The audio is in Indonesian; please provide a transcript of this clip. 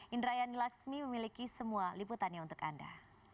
indrayani laksmi memiliki semua liputannya untuk anda